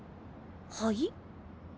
はい？